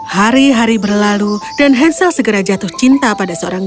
dia mencintai dia